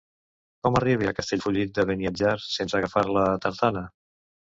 Com arribe a Castellfollit de Beniatjar sense agafar la tartana?